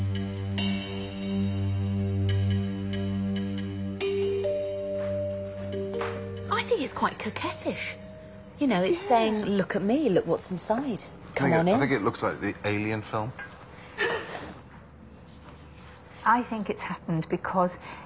はい。